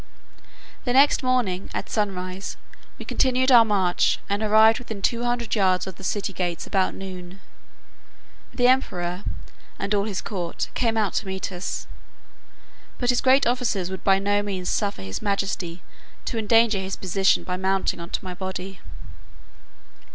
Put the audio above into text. The next morning at sunrise we continued our march, and arrived within two hundred yards of the city gates about noon. The emperor, and all his court, came out to meet us; but his great officers would by no means suffer his majesty to endanger his person by mounting on my body.